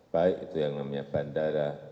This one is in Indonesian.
baik itu yang namanya bandara